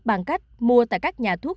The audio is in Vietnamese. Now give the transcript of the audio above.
bằng cách mua tại các nhà thuốc